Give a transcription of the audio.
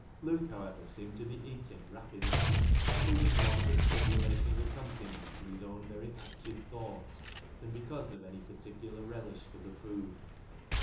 Luke, however, seemed to be eating rapidly, but it was more as a stimulating accompaniment to his own very active thoughts than because of any particular relish for the food.